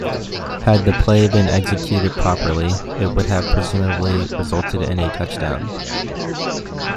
Had the play been executed properly, it would have presumably resulted in a touchdown.